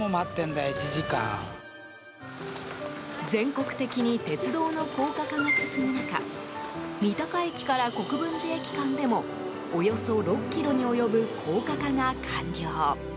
全国的に鉄道の高架化が進む中三鷹駅から国分寺駅間でも約６ｋｍに及ぶ高架化が完了。